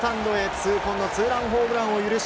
痛恨のツーランホームランを許し